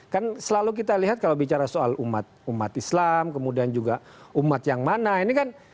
kan selalu kita lihat kalau bicara soal umat islam kemudian juga umat yang mana ini kan